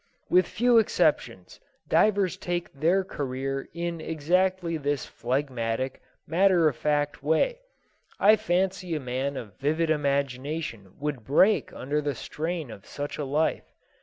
With few exceptions, divers take their career in exactly this phlegmatic, matter of fact way. I fancy a man of vivid imagination would break under the strain of such a life.